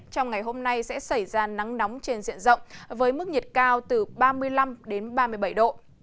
trong ngày hôm nay sẽ xảy ra nắng nóng trên diện rộng với mức nhiệt cao từ ba mươi năm đến ba mươi bảy độ